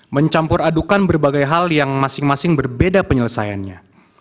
mencampur adukan berbagai hal yang masing masing berbeda penyelesaiannya